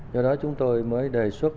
do đó chúng tôi mới đề xuất